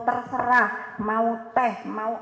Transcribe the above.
terserah mau teh mau